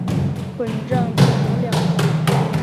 本站共有两层。